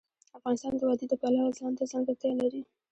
افغانستان د وادي د پلوه ځانته ځانګړتیا لري.